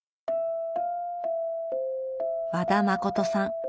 和田誠さん。